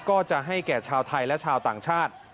ก็จะให้แก่ชาวไทยและชาวต่างชาติ